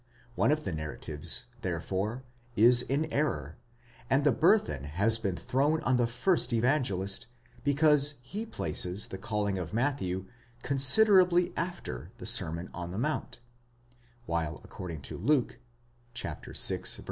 One of the narratives, therefore, is in error; and the burthen has been thrown on the first Evangelist, because he places the calling of Matthew considerably after the Sermon on the Mount; while according to Luke (vi.